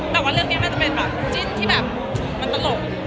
แต่ว่าเรื่องนี้มันจะเป็นแบบคู่จิ้นที่แบบมันตลก